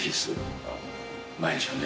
毎日がね